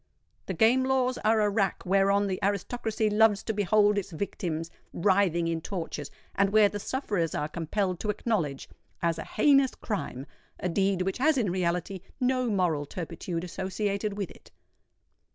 The Game Laws are a rack whereon the aristocracy loves to behold its victims writhing in tortures, and where the sufferers are compelled to acknowledge as a heinous crime a deed which has in reality no moral turpitude associated with it.